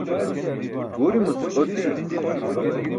guurimuc ooti